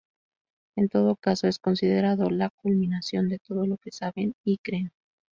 En todo caso es considerado la culminación de todo lo que saben y creen.